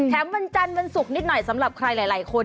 วันจันทร์วันศุกร์นิดหน่อยสำหรับใครหลายคน